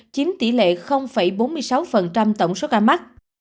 chiếm tỷ lệ bốn mươi sáu tổng số ca mắc